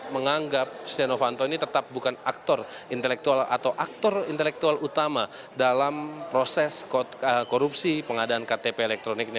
menganggap setia novanto ini tetap bukan aktor intelektual atau aktor intelektual utama dalam proses korupsi pengadaan ktp elektronik ini